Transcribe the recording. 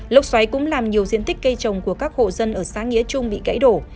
lốc xoáy cũng làm nhiều diện tích cây trồng của các hộ dân ở xã nghĩa trung bị gãy đổ